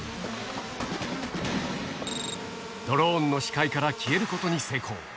ドローンの視界から消えることに成功。